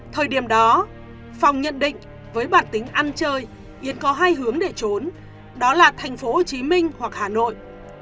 thời điểm đó phong nhận định với bản tính ăn chơi yến có hai hướng để trốn đó là thành phố hồ chí minh hoặc hà nội